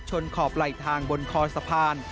ขอบไหลทางบนคอสะพาน